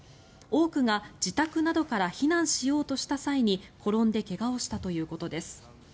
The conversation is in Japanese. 多くが自宅などから避難しようとした際に転んで怪我をしたということです。